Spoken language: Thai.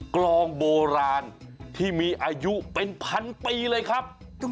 กลองโบราณที่มีอายุเป็นพันปีเลยครับ